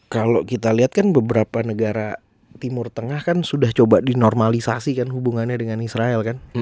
kalau kita lihat kan beberapa negara timur tengah kan sudah coba dinormalisasi kan hubungannya dengan israel kan